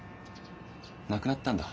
亡くなったんだ。